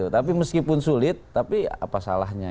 tapi meskipun sulit tapi apa salahnya